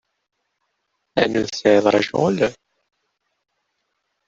Ɛni ur tesɛiḍ ara ccɣel?